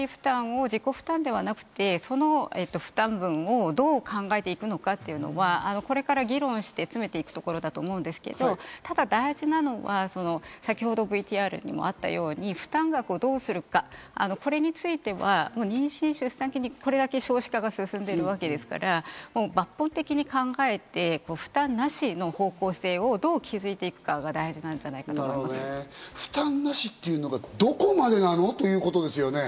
ですから３割負担を自己負担ではなくて、その負担分をどう考えていくのかというのは、これから議論して詰めていくところだと思うんですけど、ただ大事なのは先ほどＶＴＲにもあったように、負担額をどうするか、これについては妊娠・出産期にこれだけ少子化が進んでいるわけですから、もう抜本的に考えて負担なしの方向性をどう築いていくかが大事なんじゃないかと思い負担なしっていうのがどこまでなの？ということですね。